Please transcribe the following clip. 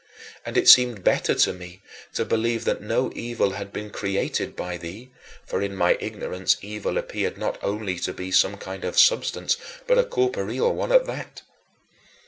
And it seemed better to me to believe that no evil had been created by thee for in my ignorance evil appeared not only to be some kind of substance but a corporeal one at that.